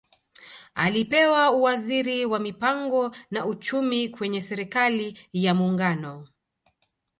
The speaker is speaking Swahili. Alipewa uwaziri wa Mipango na Uchumi kwenye Serikali ya Muungano